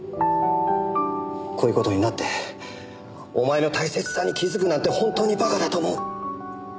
こういう事になってお前の大切さに気づくなんて本当にバカだと思う。